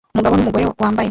Umugabo numugore wambaye